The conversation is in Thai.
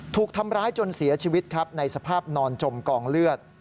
ถูกทำร้ายจนเสียชีวิตครับในสภาพนอนจมกองเลือด